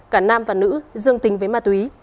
cả nam và nữ dương tính với ma túy